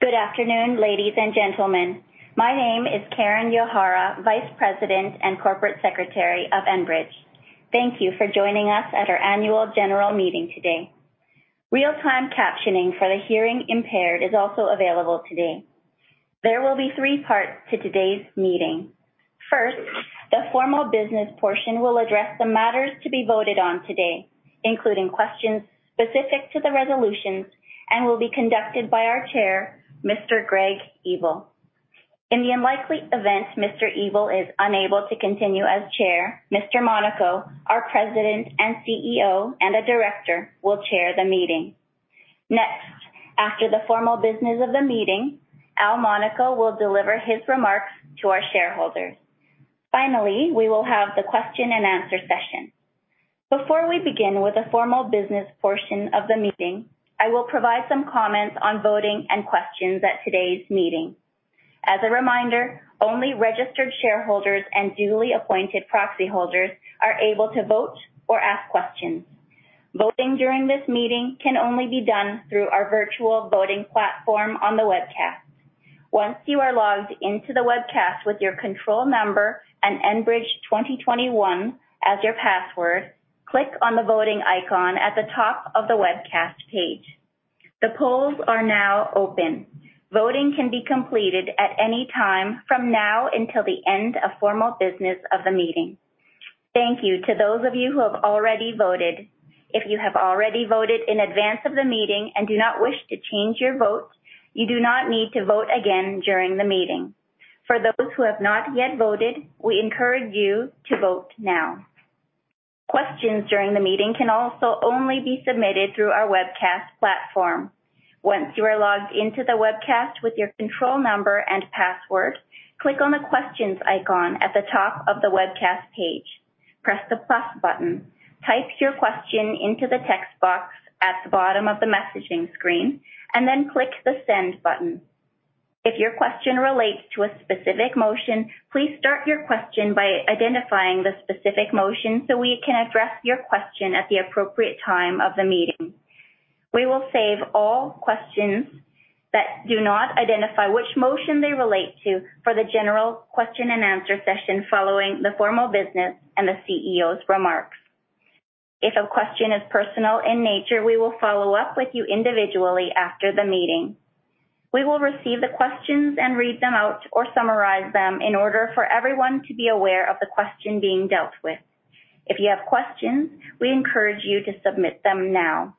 Good afternoon, ladies and gentlemen. My name is Karen Uehara, Vice President and Corporate Secretary of Enbridge. Thank you for joining us at our annual general meeting today. Real-time captioning for the hearing-impaired is also available today. There will be three parts to today's meeting. First, the formal business portion will address the matters to be voted on today, including questions specific to the resolutions, and will be conducted by our Chair, Mr. Greg Ebel. In the unlikely event Mr. Ebel is unable to continue as Chair, Mr. Monaco, our President and CEO and a director, will chair the meeting. Next, after the formal business of the meeting, Al Monaco will deliver his remarks to our shareholders. Finally, we will have the question-and-answer session. Before we begin with the formal business portion of the meeting, I will provide some comments on voting and questions at today's meeting. As a reminder, only registered shareholders and duly appointed proxy holders are able to vote or ask questions. Voting during this meeting can only be done through our virtual voting platform on the webcast. Once you are logged into the webcast with your control number and Enbridge 2021 as your password, click on the voting icon at the top of the webcast page. The polls are now open. Voting can be completed at any time from now until the end of formal business of the meeting. Thank you to those of you who have already voted. If you have already voted in advance of the meeting and do not wish to change your vote, you do not need to vote again during the meeting. For those who have not yet voted, we encourage you to vote now. Questions during the meeting can also only be submitted through our webcast platform. Once you are logged in to the webcast with your control number and password, click on the questions icon at the top of the webcast page. Press the plus button. Type your question into the text box at the bottom of the messaging screen, and then click the send button. If your question relates to a specific motion, please start your question by identifying the specific motion so we can address your question at the appropriate time of the meeting. We will save all questions that do not identify which motion they relate to for the general question-and-answer session following the formal business and the CEO's remarks. If a question is personal in nature, we will follow up with you individually after the meeting. We will receive the questions and read them out or summarize them in order for everyone to be aware of the question being dealt with. If you have questions, we encourage you to submit them now.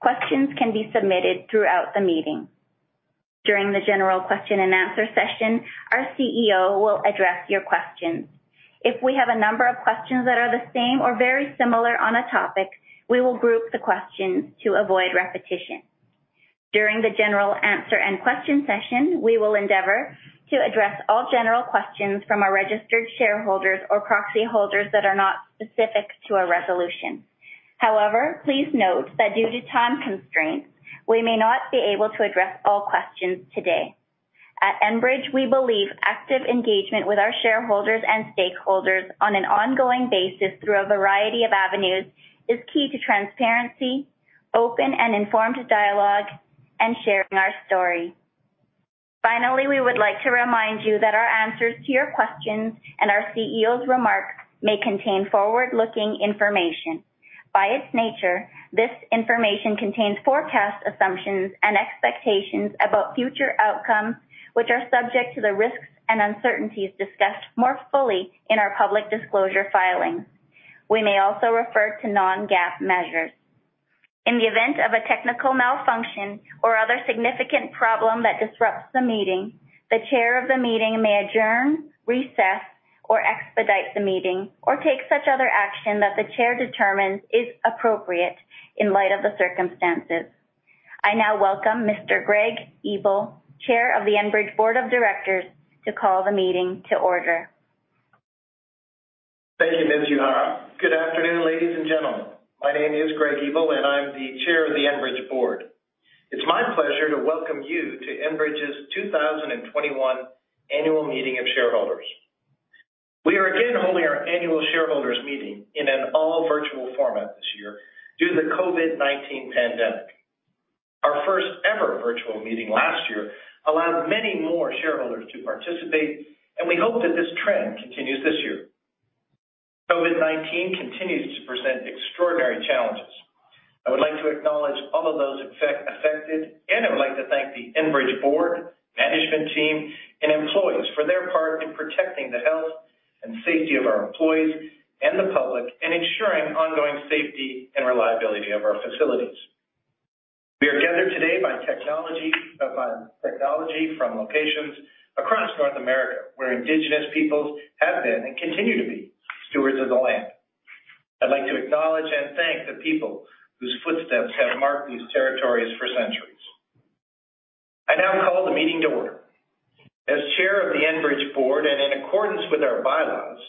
Questions can be submitted throughout the meeting. During the general question-and-answer session, our CEO will address your questions. If we have a number of questions that are the same or very similar on a topic, we will group the questions to avoid repetition. During the general answer-and-question session, we will endeavor to address all general questions from our registered shareholders or proxy holders that are not specific to a resolution. However, please note that due to time constraints, we may not be able to address all questions today. At Enbridge, we believe active engagement with our shareholders and stakeholders on an ongoing basis through a variety of avenues is key to transparency, open and informed dialogue, and sharing our story. We would like to remind you that our answers to your questions and our CEO's remarks may contain forward-looking information. By its nature, this information contains forecast assumptions and expectations about future outcomes, which are subject to the risks and uncertainties discussed more fully in our public disclosure filings. We may also refer to non-GAAP measures. In the event of a technical malfunction or other significant problem that disrupts the meeting, the chair of the meeting may adjourn, recess, or expedite the meeting or take such other action that the chair determines is appropriate in light of the circumstances. I now welcome Mr. Greg Ebel, Chair of the Enbridge Board of Directors, to call the meeting to order. Thank you, Ms. Uehara. Good afternoon, ladies and gentlemen. My name is Greg Ebel, and I'm the Chair of the Enbridge Board. It's my pleasure to welcome you to Enbridge's 2021 Annual Meeting of Shareholders. We are again holding our annual shareholders meeting in an all-virtual format this year due to the COVID-19 pandemic. Our first-ever virtual meeting last year allowed many more shareholders to participate, and we hope that this trend continues this year. COVID-19 continues to present extraordinary challenges. I would like to acknowledge all of those affected, and I would like to thank the Enbridge Board, management team, and employees for their part in protecting the health and safety of our employees and the public and ensuring ongoing safety and reliability of our facilities. We are gathered today by technology from locations across North America, where Indigenous peoples have been and continue to be stewards of the land. I'd like to acknowledge and thank the people whose footsteps have marked these territories for centuries. I now call the meeting to order. As Chair of the Enbridge Board and in accordance with our bylaws,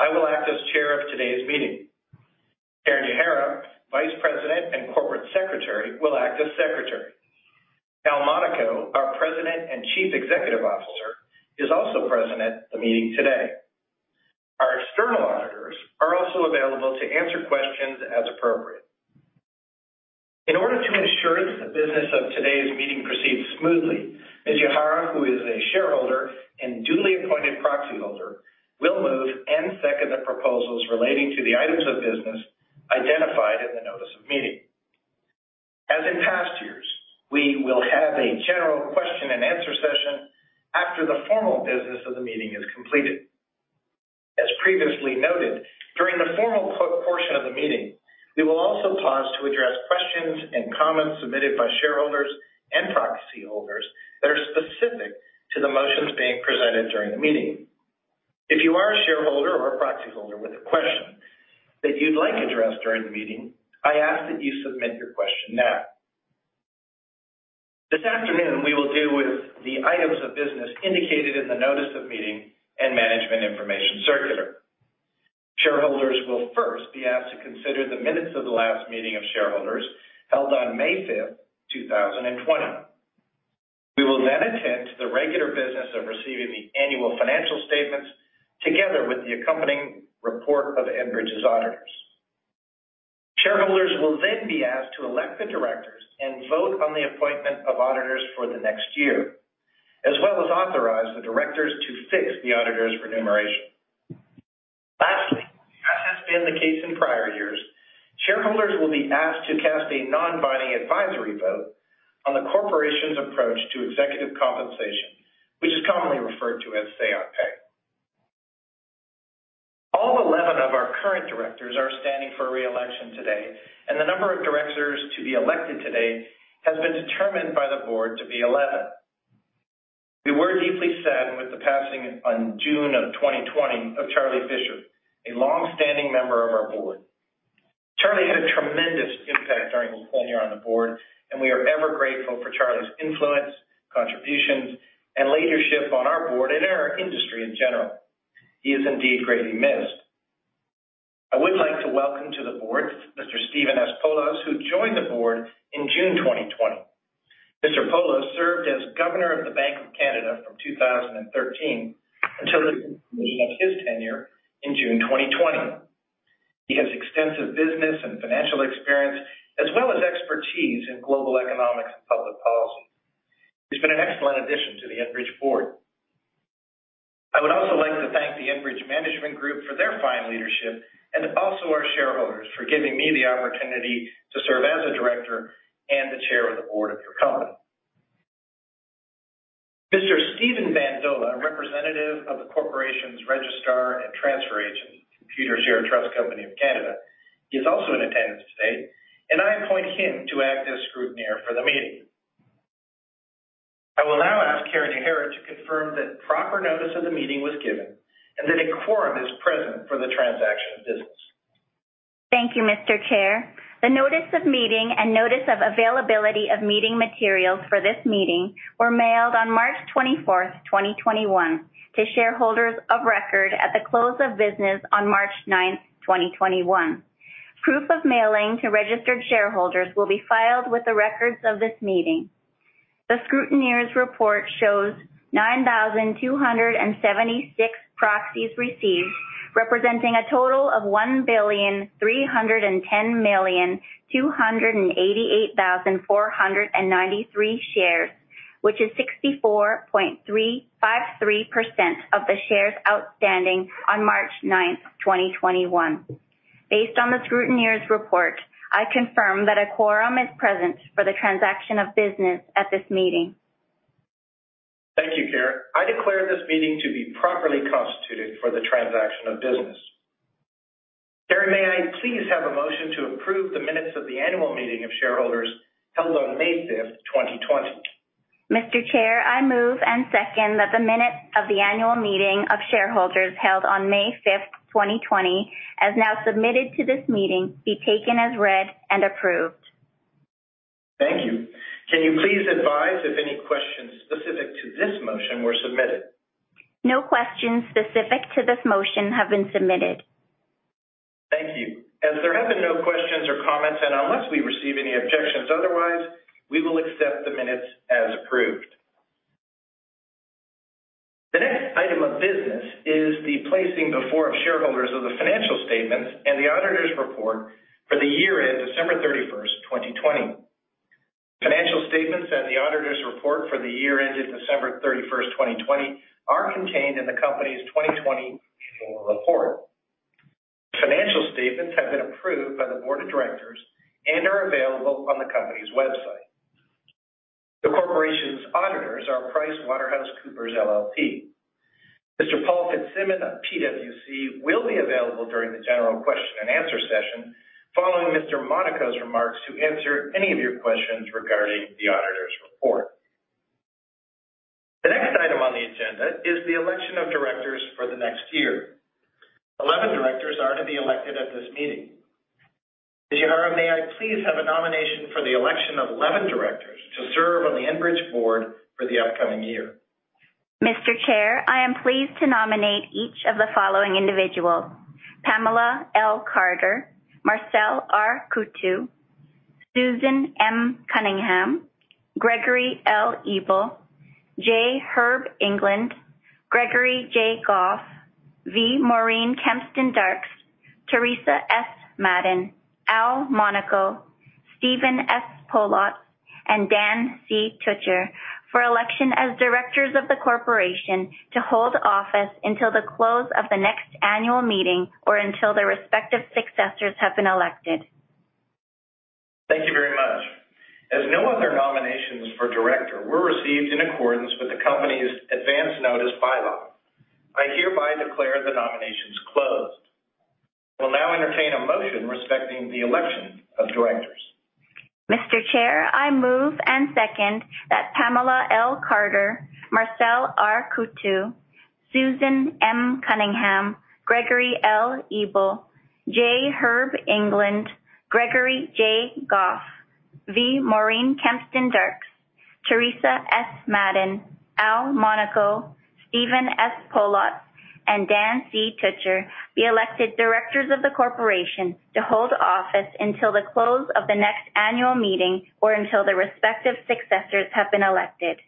I will act as chair of today's meeting. Karen Uehara, Vice President and Corporate Secretary, will act as secretary. Al Monaco, Chief Executive Officer, is also present at the meeting today. Our external auditors are also available to answer questions as appropriate. In order to ensure that the business of today's meeting proceeds smoothly, Ms. Uehara, who is a shareholder and duly appointed proxy holder, will move and second the proposals relating to the items of business identified in the notice of meeting. As in past years, we will have a general question-and-answer session after the formal business of the meeting is completed. As previously noted, during the formal portion of the meeting, we will also pause to address questions and comments submitted by shareholders and proxy holders that are specific to the motions being presented during the meeting. If you are a shareholder or a proxy holder with a question that you'd like addressed during the meeting, I ask that you submit your question now. This afternoon, we will deal with the items of business indicated in the notice of meeting and Management Information Circular. Shareholders will first be asked to consider the minutes of the last meeting of shareholders held on May 5th, 2020. We will then attend to the regular business of receiving the annual financial statements, together with the accompanying report of Enbridge's auditors. Shareholders will then be asked to elect the directors and vote on the appointment of auditors for the next year, as well as authorize the directors to fix the auditors' remuneration. Lastly, as has been the case in prior years, shareholders will be asked to cast a non-binding advisory vote on the corporation's approach to executive compensation, which is commonly referred to as say on pay. All 11 of our current directors are standing for re-election today, and the number of directors to be elected today has been determined by the Board to be 11. We were deeply saddened with the passing in June of 2020 of Charlie Fischer, a longstanding member of our Board. Charlie had a tremendous impact during his tenure on the Board, and we are ever grateful for Charlie's influence, contributions, and leadership on our Board and in our industry in general. He is indeed greatly missed. I would like to welcome to the board Mr. Stephen S. Poloz, who joined the board in June 2020. Mr. Poloz served as governor of the Bank of Canada from 2013 until the completion of his tenure in June 2020. He has extensive business and financial experience, as well as expertise in global economics and public policy. He's been an excellent addition to the Enbridge board. I would also like to thank the Enbridge Management Group for their fine leadership, and also our shareholders for giving me the opportunity to serve as a director and the chair of the board of your company. Mr. Stephen Bandola, representative of the corporation's registrar and transfer agent, Computershare Trust Company of Canada, is also in attendance today, and I appoint him to act as scrutineer for the meeting. I will now ask Karen Uehara to confirm that proper notice of the meeting was given and that a quorum is present for the transaction of business. Thank you, Mr. Chair. The notice of meeting and notice of availability of meeting materials for this meeting were mailed on March 24, 2021, to shareholders of record at the close of business on March 9, 2021. Proof of mailing to registered shareholders will be filed with the records of this meeting. The scrutineer's report shows 9,276 proxies received, representing a total of 1,310,288,493 shares, which is 64.353% of the shares outstanding on March 9, 2021. Based on the scrutineer's report, I confirm that a quorum is present for the transaction of business at this meeting. Thank you, Karen. I declare this meeting to be properly constituted for the transaction of business. Karen, may I please have a motion to approve the minutes of the annual meeting of shareholders held on May 5th, 2020? Mr. Chair, I move and second that the minutes of the annual meeting of shareholders held on May 5th, 2020, as now submitted to this meeting, be taken as read and approved. Thank you. Can you please advise if any questions specific to this motion were submitted? No questions specific to this motion have been submitted. Thank you. As there have been no questions or comments, unless we receive any objections otherwise, we will accept the minutes as approved. The next item of business is the placing before shareholders of the financial statements and the auditors' report for the year-end December 31st, 2020. Financial statements and the auditors' report for the year ending December 31st, 2020, are contained in the company's 2020 full report. Financial statements have been approved by the board of directors and are available on the company's website. The corporation's auditors are PricewaterhouseCoopers, LLP. Mr. Paul Fitzsimon of PwC will be available during the general question-and-answer session following Mr. Monaco's remarks to answer any of your questions regarding the auditors' report. The next item on the agenda is the election of directors for the next year. 11 directors are to be elected at this meeting. Ms. Uehara, may I please have a nomination for the election of 11 directors to serve on the Enbridge board for the upcoming year? Mr. Chair, I am pleased to nominate each of the following individuals: Pamela L. Carter, Marcel R. Coutu, Susan M. Cunningham, Gregory L. Ebel, J. Herb England, Gregory J. Goff, V. Maureen Kempston Darkes, Teresa S. Madden, Al Monaco, Stephen S. Poloz, and Dan C. Tutcher for election as directors of the corporation to hold office until the close of the next annual meeting or until their respective successors have been elected. Thank you very much. As no other nominations for director were received in accordance with the company's advance notice bylaw, I hereby declare the nominations closed. We'll now entertain a motion respecting the election of directors. Mr. Chair, I move and second that Pamela L. Carter, Marcel R. Coutu, Susan M. Cunningham, Gregory L. Ebel, J. Herb England, Gregory J. Goff, V. Maureen Kempston Darkes, Teresa S. Madden, Al Monaco, Stephen S. Poloz, and Dan C. Tutcher be elected directors of the corporation to hold office until the close of the next annual meeting or until their respective successors have been elected.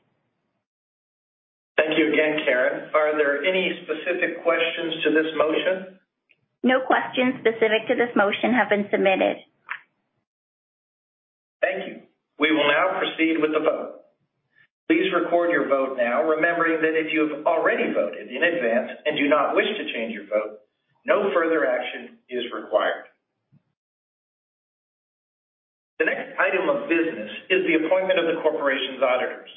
Thank you again, Karen. Are there any specific questions to this motion? No questions specific to this motion have been submitted. Thank you. We will now proceed with the vote. Please record your vote now, remembering that if you've already voted in advance and do not wish to change your vote, no further action is required. The next item of business is the appointment of the corporation's auditors.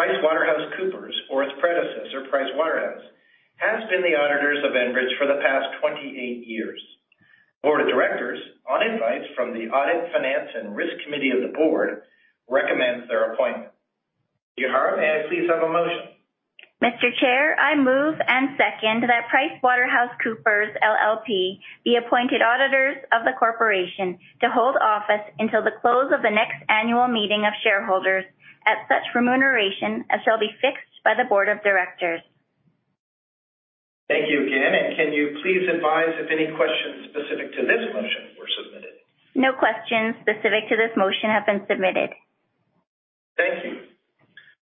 PricewaterhouseCoopers, or its predecessor, Pricewaterhouse, has been the auditors of Enbridge for the past 28 years. Board of Directors, on advice from the Audit, Finance & Risk Committee of the Board, recommends their appointment. Ms. Uehara, may I please have a motion? Mr. Chair, I move and second that PricewaterhouseCoopers, LLP, be appointed auditors of the corporation to hold office until the close of the next annual meeting of shareholders at such remuneration as shall be fixed by the Board of Directors. Thank you Karen. Can you please advise if any questions specific to this motion were submitted? No questions specific to this motion have been submitted. Thank you.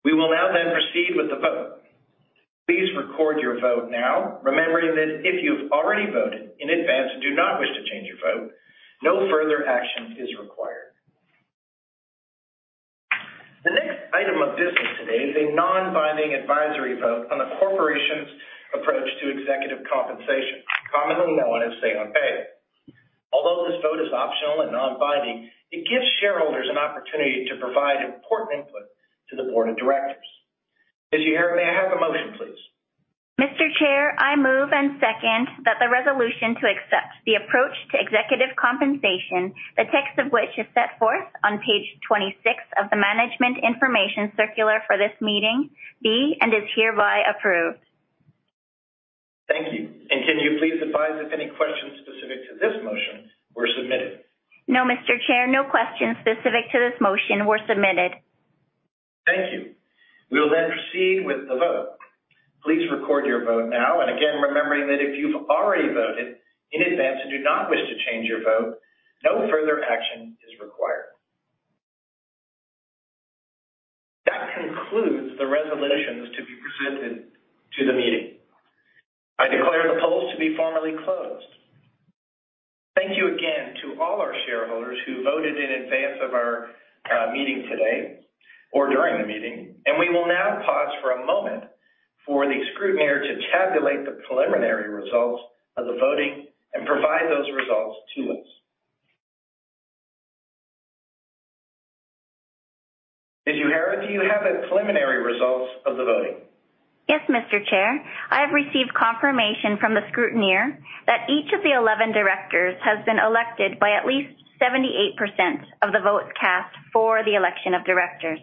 We will now proceed with the vote. Please record your vote now, remembering that if you've already voted in advance and do not wish to change your vote, no further action is required. The next item of business today is a non-binding advisory vote on the corporation's approach to executive compensation, commonly known as say on pay. Although this vote is optional and non-binding, it gives shareholders an opportunity to provide important input to the Board of Directors. Ms. Uehara, may I have a motion, please? Mr. Chair, I move and second that the resolution to accept the approach to executive compensation, the text of which is set forth on page 26 of the Management Information Circular for this meeting, be and is hereby approved. Thank you. Can you please advise if any questions specific to this motion were submitted? No, Mr. Chair. No questions specific to this motion were submitted. Thank you. We will proceed with the vote. Please record your vote now. Again, remembering that if you've already voted in advance and do not wish to change your vote, no further action is required. That concludes the resolutions to be presented to the meeting. I declare the polls to be formally closed. Thank you again to all our shareholders who voted in advance of our meeting today or during the meeting. We will now pause for a moment for the scrutineer to tabulate the preliminary results of the voting and provide those results to us. Ms. Uehara, do you have the preliminary results of the voting? Yes, Mr. Chair. I have received confirmation from the scrutineer that each of the 11 directors has been elected by at least 78% of the votes cast for the election of directors.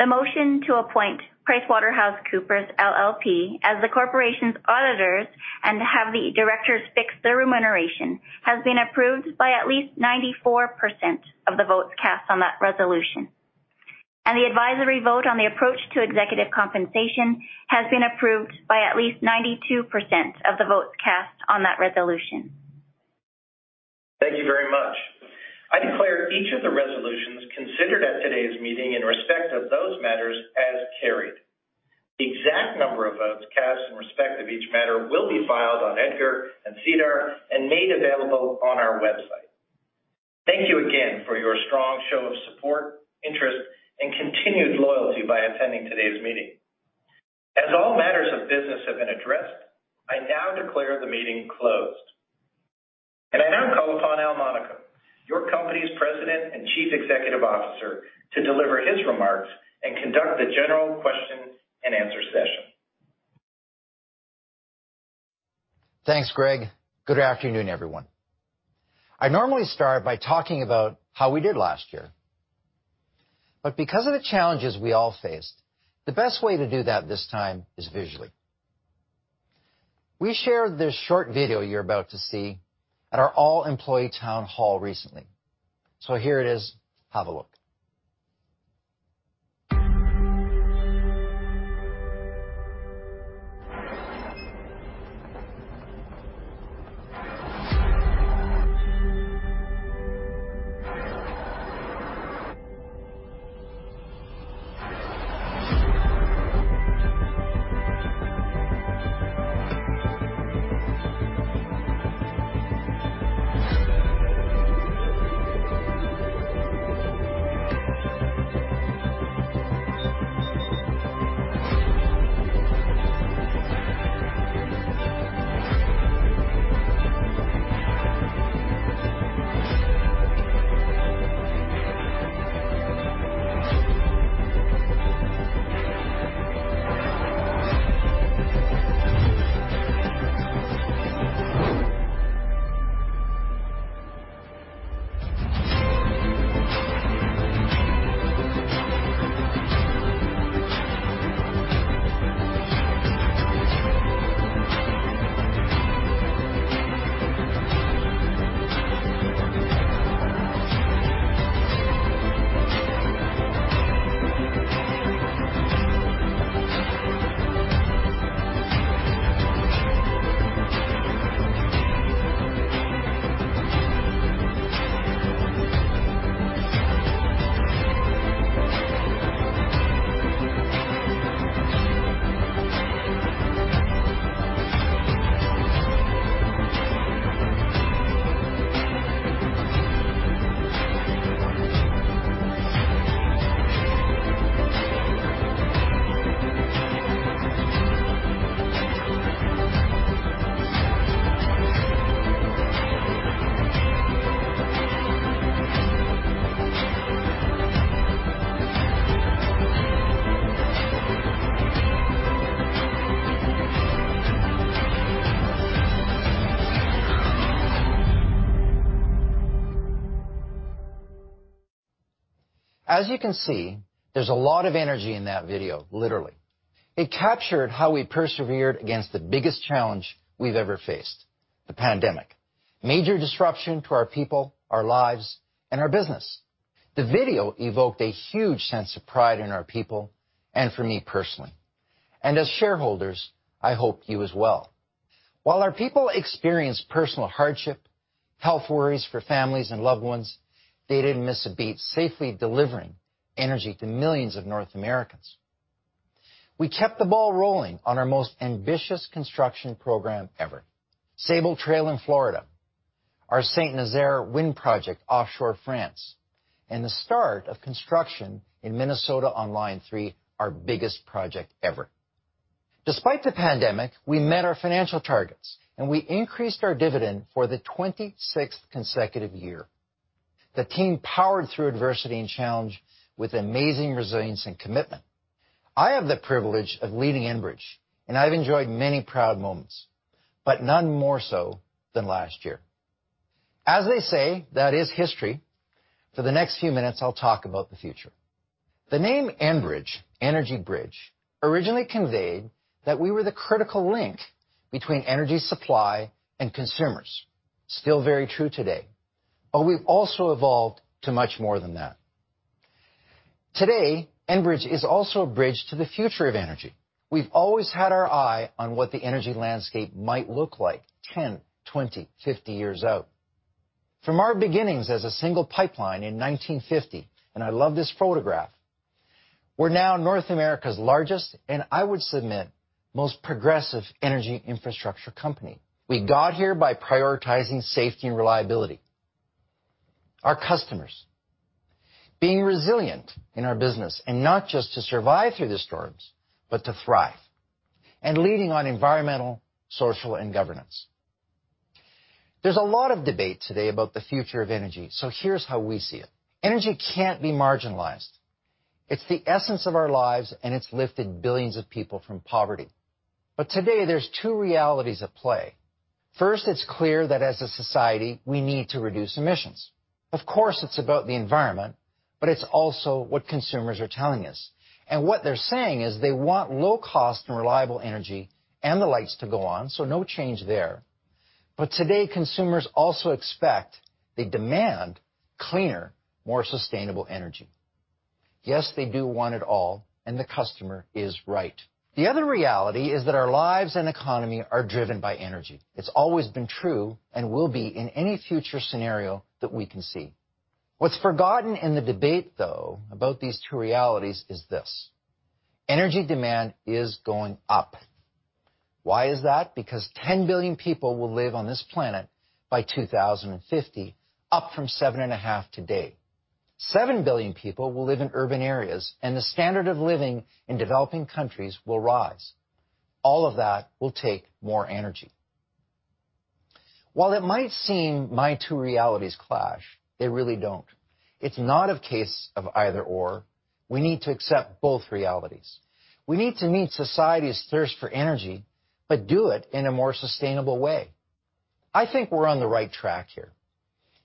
The motion to appoint PricewaterhouseCoopers, LLP, as the corporation's auditors and have the directors fix their remuneration, has been approved by at least 94% of the votes cast on that resolution. The advisory vote on the approach to executive compensation has been approved by at least 92% of the votes cast on that resolution. Thank you very much. I declare each of the resolutions considered at today's meeting in respect of those matters as carried. The exact number of votes cast in respect of each matter will be filed on EDGAR and SEDAR and made available on our website. Thank you again for your strong show of support, interest, and continued loyalty by attending today's meeting. As all matters of business have been addressed, I now declare the meeting closed. I now call upon Al Monaco, your company's President and Chief Executive Officer, to deliver his remarks and conduct the general question-and-answer session. Thanks, Greg. Good afternoon, everyone. I normally start by talking about how we did last year. Because of the challenges we all faced, the best way to do that this time is visually. We shared this short video you're about to see at our all-employee town hall recently. Here it is. Have a look. As you can see, there's a lot of energy in that video, literally. It captured how we persevered against the biggest challenge we've ever faced, the pandemic. Major disruption to our people, our lives, and our business. The video evoked a huge sense of pride in our people and for me personally, and as shareholders, I hope you as well. While our people experienced personal hardship, health worries for families and loved ones, they didn't miss a beat safely delivering energy to millions of North Americans. We kept the ball rolling on our most ambitious construction program ever. Sabal Trail in Florida, our Saint-Nazaire wind project offshore France, and the start of construction in Minnesota on Line 3, our biggest project ever. Despite the pandemic, we met our financial targets, and we increased our dividend for the 26th consecutive year. The team powered through adversity and challenge with amazing resilience and commitment. I have the privilege of leading Enbridge, and I've enjoyed many proud moments, but none more so than last year. As they say, that is history. For the next few minutes, I'll talk about the future. The name Enbridge, Energy Bridge, originally conveyed that we were the critical link between energy supply and consumers. Still very true today. We've also evolved to much more than that. Today, Enbridge is also a bridge to the future of energy. We've always had our eye on what the energy landscape might look like 10, 20, 50 years out. From our beginnings as a single pipeline in 1950, and I love this photograph, we're now North America's largest, and I would submit, most progressive energy infrastructure company. We got here by prioritizing safety and reliability, our customers, being resilient in our business, and not just to survive through the storms, but to thrive. Leading on environmental, social, and governance. There's a lot of debate today about the future of energy, here's how we see it. Energy can't be marginalized. It's the essence of our lives, it's lifted billions of people from poverty. Today, there's two realities at play. First, it's clear that as a society, we need to reduce emissions. Of course, it's about the environment, it's also what consumers are telling us. What they're saying is they want low cost and reliable energy and the lights to go on, so no change there. Today, consumers also expect, they demand cleaner, more sustainable energy. Yes, they do want it all, and the customer is right. The other reality is that our lives and economy are driven by energy. It's always been true and will be in any future scenario that we can see. What's forgotten in the debate, though, about these two realities is this: Energy demand is going up. Why is that? Because 10 billion people will live on this planet by 2050, up from 7.5 today. 7 billion people will live in urban areas, and the standard of living in developing countries will rise. All of that will take more energy. While it might seem my two realities clash, they really don't. It's not a case of either/or. We need to accept both realities. We need to meet society's thirst for energy, but do it in a more sustainable way. I think we're on the right track here.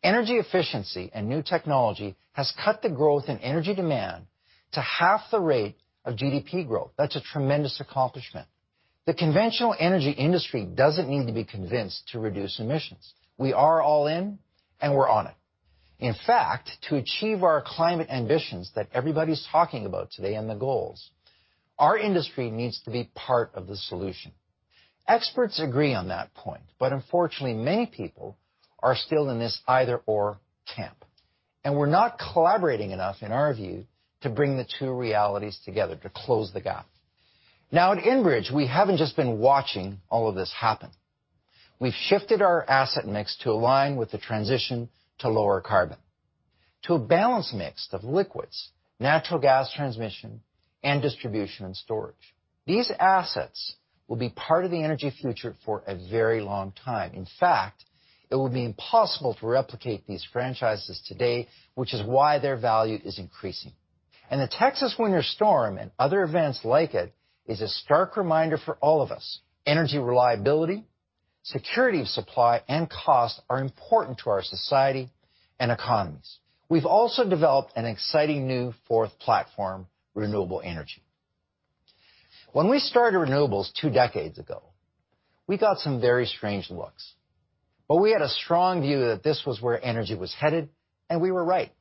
Energy efficiency and new technology has cut the growth in energy demand to half the rate of GDP growth. That's a tremendous accomplishment. The conventional energy industry doesn't need to be convinced to reduce emissions. We are all in, and we're on it. In fact, to achieve our climate ambitions that everybody's talking about today and the goals, our industry needs to be part of the solution. Experts agree on that point, but unfortunately, many people are still in this either/or camp, and we're not collaborating enough, in our view, to bring the two realities together to close the gap. Now, at Enbridge, we haven't just been watching all of this happen. We've shifted our asset mix to align with the transition to lower carbon, to a balanced mix of liquids, natural gas transmission, and distribution and storage. These assets will be part of the energy future for a very long time. In fact, it will be impossible to replicate these franchises today, which is why their value is increasing. The Texas winter storm and other events like it is a stark reminder for all of us, energy reliability, security of supply, and cost are important to our society and economies. We've also developed an exciting new fourth platform, renewable energy. When we started renewables two decades ago, we got some very strange looks, but we had a strong view that this was where energy was headed, and we were right.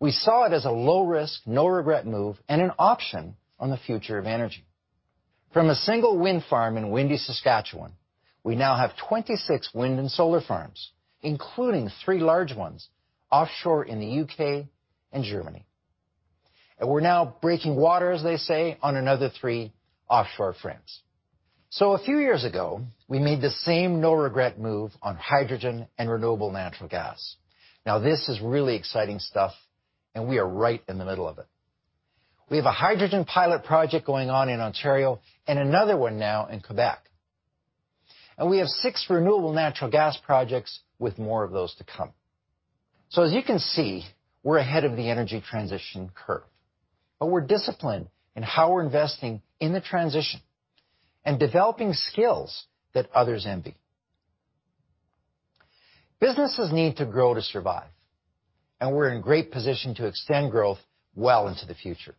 We saw it as a low-risk, no-regret move, and an option on the future of energy. From a single wind farm in windy Saskatchewan, we now have 26 wind and solar farms, including three large ones offshore in the U.K. and Germany. We're now breaking water, as they say, on another three offshore farms. A few years ago, we made the same no-regret move on hydrogen and renewable natural gas. This is really exciting stuff, and we are right in the middle of it. We have a hydrogen pilot project going on in Ontario and another one now in Quebec. We have six renewable natural gas projects with more of those to come. As you can see, we're ahead of the energy transition curve, but we're disciplined in how we're investing in the transition and developing skills that others envy. Businesses need to grow to survive. We're in great position to extend growth well into the future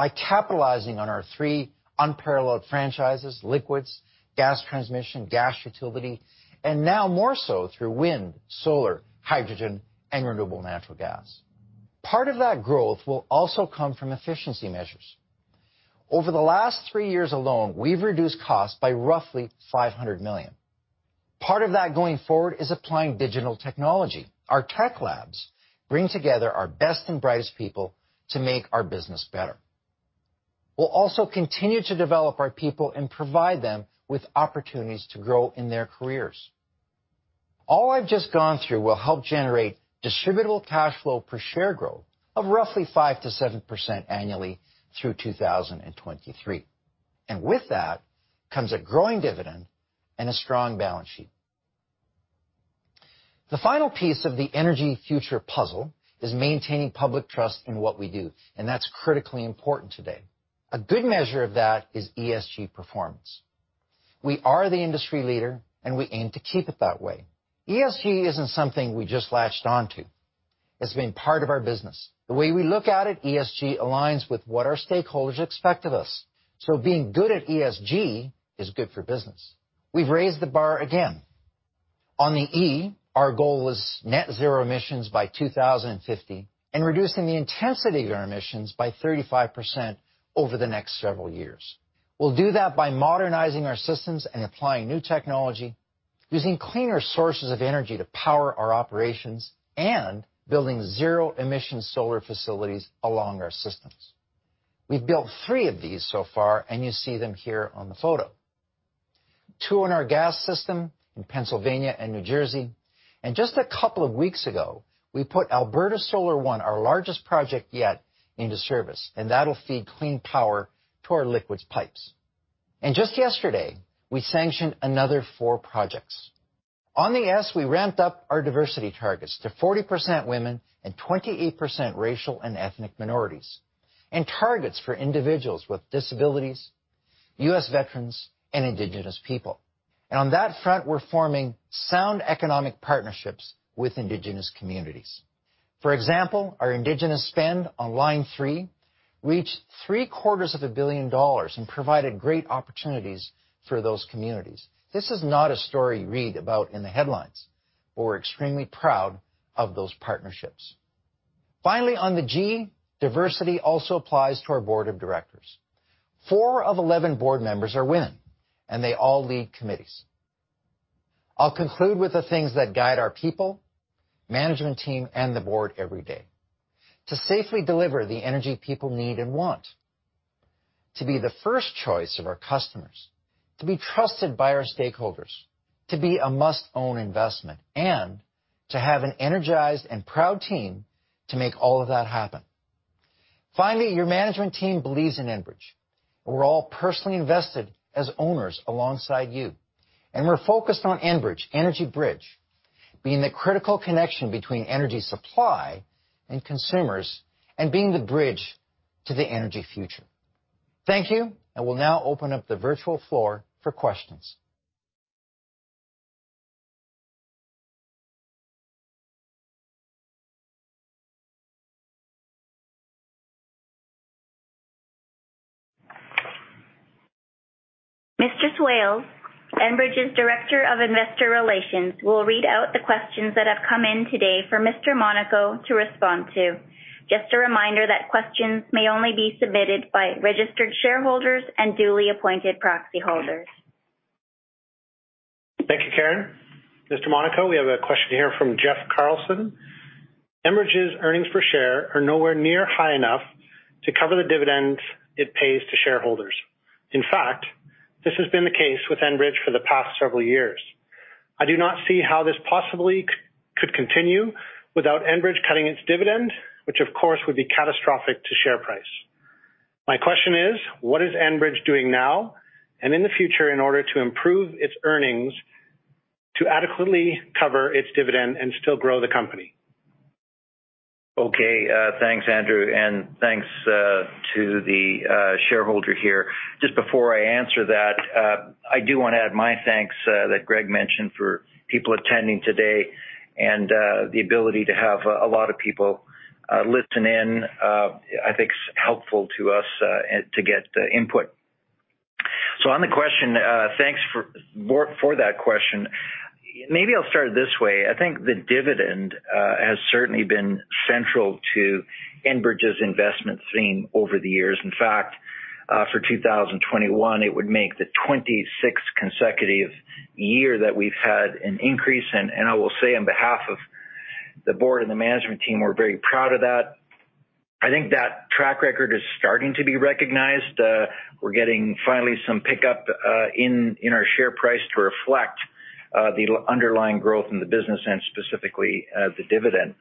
by capitalizing on our three unparalleled franchises, liquids, gas transmission, gas utility, and now more so through wind, solar, hydrogen, and renewable natural gas. Part of that growth will also come from efficiency measures. Over the last three years alone, we've reduced costs by roughly 500 million. Part of that going forward is applying digital technology. Our tech labs bring together our best and brightest people to make our business better. We'll also continue to develop our people and provide them with opportunities to grow in their careers. All I've just gone through will help generate distributable cash flow per share growth of roughly 5%-7% annually through 2023. With that, comes a growing dividend and a strong balance sheet. The final piece of the energy future puzzle is maintaining public trust in what we do, and that's critically important today. A good measure of that is ESG performance. We are the industry leader, and we aim to keep it that way. ESG isn't something we just latched onto. It's been part of our business. The way we look at it, ESG aligns with what our stakeholders expect of us, so being good at ESG is good for business. We've raised the bar again. On the E, our goal is net zero emissions by 2050 and reducing the intensity of our emissions by 35% over the next several years. We'll do that by modernizing our systems and applying new technology, using cleaner sources of energy to power our operations, and building zero-emission solar facilities along our systems. We've built three of these so far, you see them here on the photo. Two on our gas system in Pennsylvania and New Jersey, and just a couple of weeks ago, we put Alberta Solar One, our largest project yet, into service, and that'll feed clean power to our liquids pipes. Just yesterday, we sanctioned another four projects. On the S, we ramped up our diversity targets to 40% women and 28% racial and ethnic minorities, and targets for individuals with disabilities, U.S. veterans, and Indigenous people. On that front, we're forming sound economic partnerships with Indigenous communities. For example, our Indigenous spend on Line 3 reached $750,000,000 and provided great opportunities for those communities. This is not a story you read about in the headlines, but we're extremely proud of those partnerships. Finally, on the G, diversity also applies to our board of directors. Four of 11 board members are women, and they all lead committees. I'll conclude with the things that guide our people, management team, and the board every day. To safely deliver the energy people need and want, to be the first choice of our customers, to be trusted by our stakeholders, to be a must-own investment, and to have an energized and proud team to make all of that happen. Finally, your management team believes in Enbridge. We're all personally invested as owners alongside you, and we're focused on Enbridge, Energy Bridge, being the critical connection between energy supply and consumers and being the bridge to the energy future. Thank you, and we'll now open up the virtual floor for questions. Mr. Swales, Enbridge's Director of Investor Relations, will read out the questions that have come in today for Mr. Monaco to respond to. Just a reminder that questions may only be submitted by registered shareholders and duly appointed proxy holders. Thank you, Karen. Mr. Monaco, we have a question here from Jeff Carlson. Enbridge's earnings per share are nowhere near high enough to cover the dividends it pays to shareholders. This has been the case with Enbridge for the past several years. I do not see how this possibly could continue without Enbridge cutting its dividend, which of course would be catastrophic to share price. My question is, what is Enbridge doing now and in the future in order to improve its earnings to adequately cover its dividend and still grow the company? Thanks, Andrew, and thanks to the shareholder here. Just before I answer that, I do want to add my thanks that Greg mentioned for people attending today, the ability to have a lot of people listen in, I think is helpful to us to get input. On the question, thanks for that question. Maybe I'll start this way. I think the dividend has certainly been central to Enbridge's investment theme over the years. In fact, for 2021, it would make the 26th consecutive year that we've had an increase. I will say on behalf of the board and the management team, we're very proud of that. I think that track record is starting to be recognized. We're getting finally some pickup in our share price to reflect the underlying growth in the business and specifically the dividend.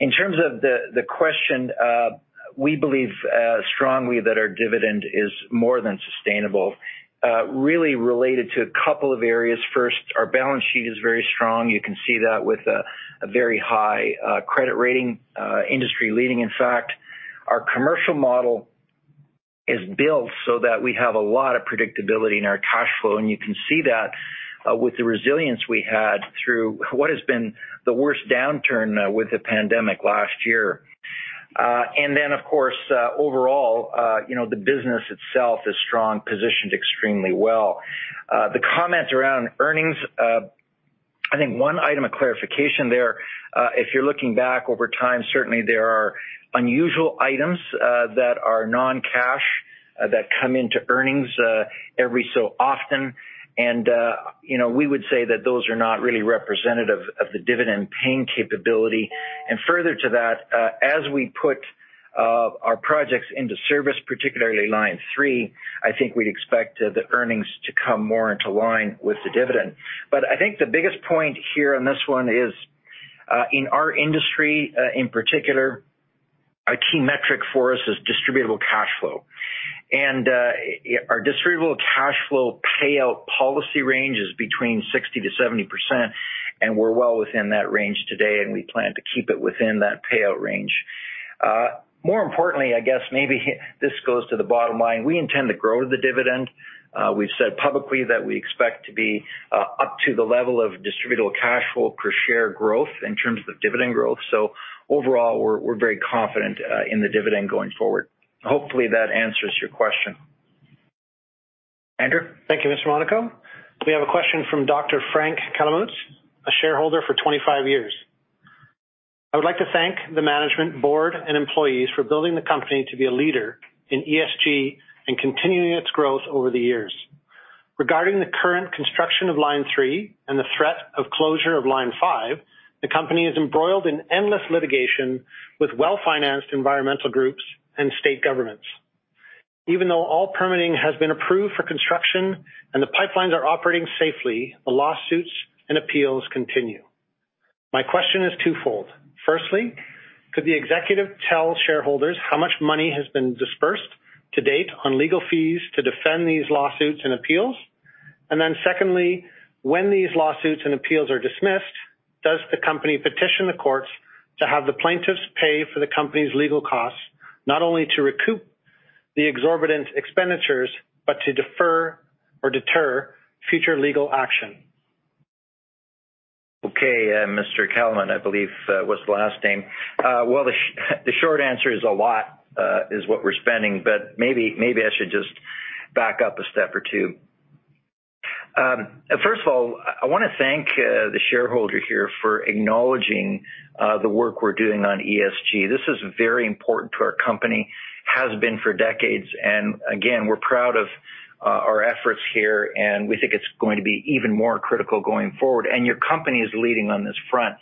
In terms of the question, we believe strongly that our dividend is more than sustainable, really related to a couple of areas. First, our balance sheet is very strong. You can see that with a very high credit rating, industry-leading, in fact. Our commercial model is built so that we have a lot of predictability in our cash flow, and you can see that with the resilience we had through what has been the worst downturn with the pandemic last year. Then, of course, overall, the business itself is strong, positioned extremely well. The comments around earnings, I think one item of clarification there, if you're looking back over time, certainly there are unusual items that are non-cash that come into earnings every so often. We would say that those are not really representative of the dividend paying capability. Further to that, as we put our projects into service, particularly Line 3, I think we'd expect the earnings to come more into line with the dividend. I think the biggest point here on this one is, in our industry, in particular, a key metric for us is distributable cash flow. Our distributable cash flow payout policy range is between 60%-70%, and we're well within that range today, and we plan to keep it within that payout range. More importantly, I guess maybe this goes to the bottom line, we intend to grow the dividend. We've said publicly that we expect to be up to the level of distributable cash flow per share growth in terms of dividend growth. Overall, we're very confident in the dividend going forward. Hopefully, that answers your question. Andrew? Thank you, Mr. Monaco. We have a question from Dr. Frank Kalamutz, a shareholder for 25 years. I would like to thank the management board and employees for building the company to be a leader in ESG and continuing its growth over the years. Regarding the current construction of Line 3 and the threat of closure of Line 5, the company is embroiled in endless litigation with well-financed environmental groups and state governments. Even though all permitting has been approved for construction and the pipelines are operating safely, the lawsuits and appeals continue. My question is twofold. Firstly, could the executive tell shareholders how much money has been disbursed to date on legal fees to defend these lawsuits and appeals? Secondly, when these lawsuits and appeals are dismissed, does the company petition the courts to have the plaintiffs pay for the company's legal costs, not only to recoup the exorbitant expenditures, but to defer or deter future legal action? Okay. Mr. Kalamutz, I believe, was the last name. Well, the short answer is a lot, is what we're spending, but maybe I should just back up a step or two. First of all, I want to thank the shareholder here for acknowledging the work we're doing on ESG. This is very important to our company, has been for decades, and again, we're proud of our efforts here, and we think it's going to be even more critical going forward. Your company is leading on this front.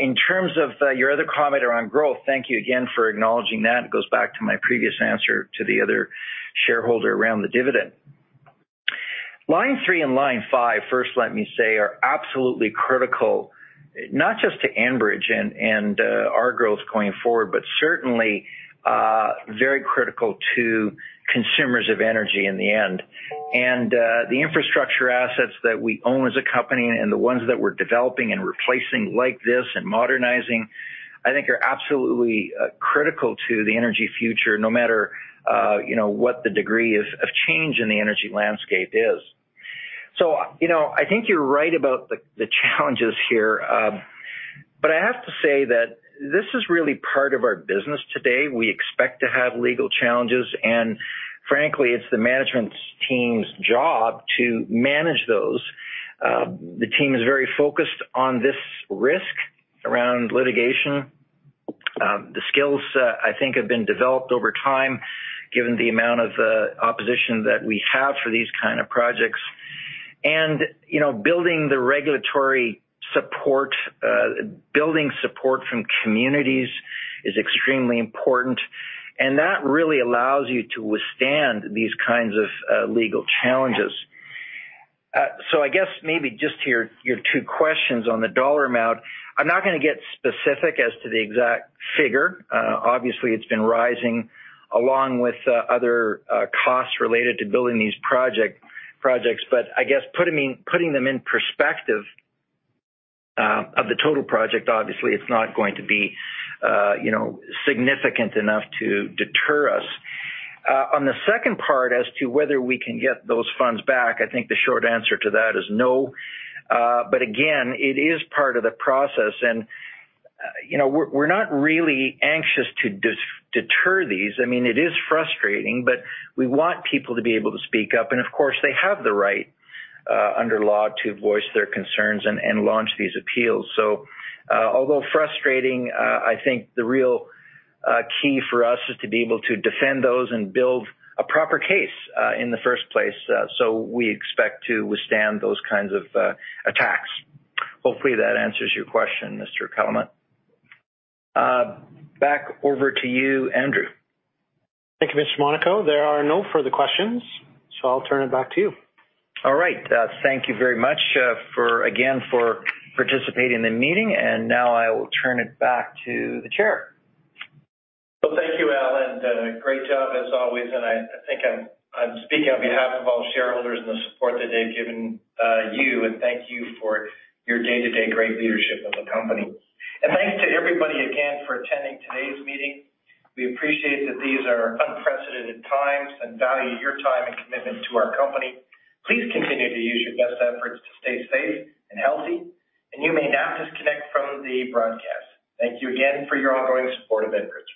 In terms of your other comment around growth, thank you again for acknowledging that. It goes back to my previous answer to the other shareholder around the dividend. Line 3 and Line 5, first let me say, are absolutely critical, not just to Enbridge and our growth going forward, but certainly very critical to consumers of energy in the end. The infrastructure assets that we own as a company and the ones that we're developing and replacing like this and modernizing, I think are absolutely critical to the energy future, no matter what the degree of change in the energy landscape is. I think you're right about the challenges here. I have to say that this is really part of our business today. We expect to have legal challenges, and frankly, it's the management team's job to manage those. The team is very focused on this risk around litigation. The skills, I think, have been developed over time, given the amount of opposition that we have for these kind of projects. Building the regulatory support, building support from communities is extremely important, and that really allows you to withstand these kinds of legal challenges. I guess maybe just to your two questions on the dollar amount, I'm not going to get specific as to the exact figure. Obviously, it's been rising along with other costs related to building these projects. I guess putting them in perspective of the total project, obviously, it's not going to be significant enough to deter us. On the second part as to whether we can get those funds back, I think the short answer to that is no. Again, it is part of the process, and we're not really anxious to deter these. It is frustrating, but we want people to be able to speak up, and of course, they have the right under law to voice their concerns and launch these appeals. Although frustrating, I think the real key for us is to be able to defend those and build a proper case in the first place. We expect to withstand those kinds of attacks. Hopefully, that answers your question, Mr. Kalamutz. Back over to you, Andrew. Thank you, Mr. Monaco. There are no further questions, so I'll turn it back to you. All right. Thank you very much again for participating in the meeting, and now I will turn it back to the chair. Well, thank you, Al. Great job as always. I think I'm speaking on behalf of all shareholders and the support that they've given you, and thank you for your day-to-day great leadership of the company. Thanks to everybody again for attending today's meeting. We appreciate that these are unprecedented times and value your time and commitment to our company. Please continue to use your best efforts to stay safe and healthy, and you may now disconnect from the broadcast. Thank you again for your ongoing support of Enbridge.